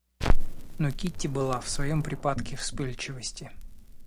Но Кити была в своем припадке вспыльчивости.